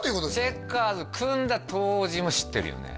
チェッカーズ組んだ当時も知ってるよね